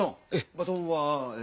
バトンはえ。